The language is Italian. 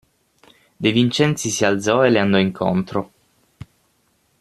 De Vincenzi si alzò e le andò incontro.